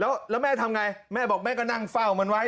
แล้วแม่ทำไงแม่ก็นั่งเฝ้ามันไว้